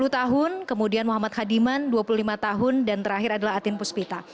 sepuluh tahun kemudian muhammad hadiman dua puluh lima tahun dan terakhir adalah atin puspita